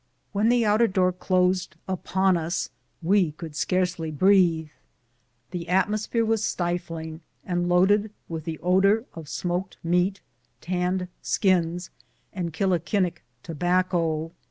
When the outer door closed upon us we could scarcely breathe; the atmos phere was stifling, and loaded with the odor of smoked meat, tanned skins, and killikinick tobacco.